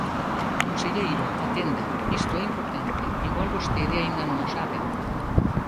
Conselleiro, atenda, isto é importante, igual vostede aínda non o sabe.